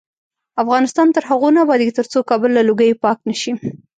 افغانستان تر هغو نه ابادیږي، ترڅو کابل له لوګیو پاک نشي.